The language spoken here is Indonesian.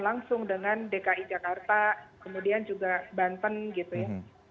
langsung dengan dki jakarta kemudian juga banten gitu ya